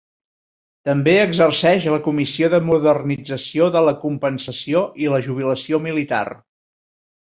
També exerceix la Comissió de modernització de la compensació i la jubilació militar.